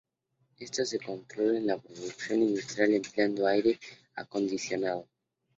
Esto se controla en la producción industrial empleando aire acondicionado.